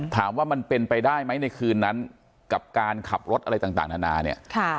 ถามว่ามันเป็นไปได้ไหมในคืนนั้นกับการขับรถอะไรต่างนานาเนี่ย